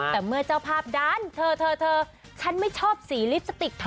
แต่เมื่อเจ้าภาพดันเธอเธอฉันไม่ชอบสีลิปสติกเธอ